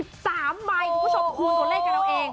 ๓ใบคุณผู้ชมคูณตัวเลขกันเอาเอง